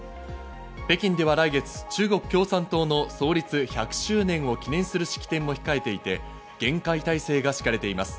北京では来月、中国共産党の創立１００周年を記念する式典も控えていて、厳戒態勢が敷かれています。